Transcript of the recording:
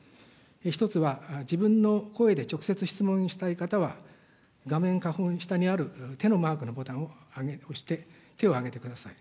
１つは自分の声で、直接質問したい方は画面下方、下にある手のマークのボタンを押して、手を上げてください。